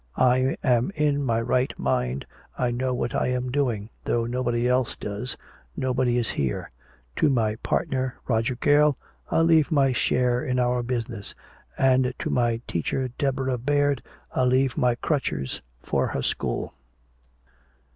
I am in my right mind I know what I am doing though nobody else does nobody is here. To my partner Roger Gale I leave my share in our business. And to my teacher Deborah Baird I leave my crutches for her school."